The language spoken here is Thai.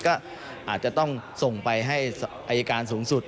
ก็อาจจะต้องส่งไปให้อายการสูงสุด